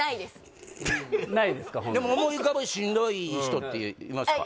ホントにでも思い浮かぶしんどい人っていますか？